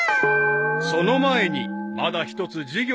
［その前にまだ一つ授業がある］